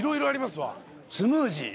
スムージー。